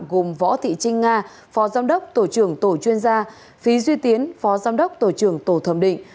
gồm võ thị trinh nga phó giám đốc tổ trưởng tổ chuyên gia phí duy tiến phó giám đốc tổ trưởng tổ thẩm định